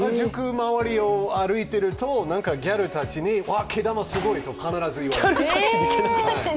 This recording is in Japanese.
まわりを歩いていると、ギャルたちに「あっ、毛玉すごい」と必ず言われます。